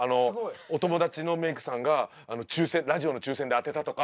お友達のメークさんがラジオの抽選で当てたとか。